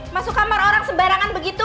masuk kamar orang sembarangan begitu